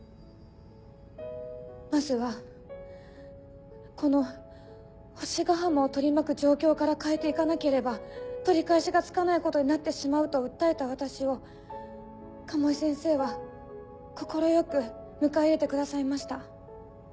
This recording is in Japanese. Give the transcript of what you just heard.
まずはこの星ヶ浜を取り巻く状況から変えて行かなければ取り返しがつかないことになってしまうと訴えた私を鴨居先生は快く迎え入れてくださいました。